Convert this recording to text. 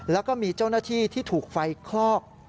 แล้วก็มีเจ้าหน้าที่ที่ถูกไฟคลอก